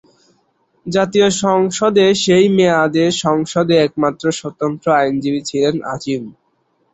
জাতীয় সংসদে সেই মেয়াদে সংসদে একমাত্র স্বতন্ত্র আইনজীবী ছিলেন আজিম।